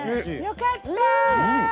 よかった！